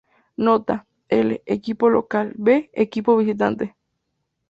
Nota: L: Equipo local, V: Equipo visitante.